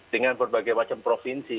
dengan berbagai macam provinsi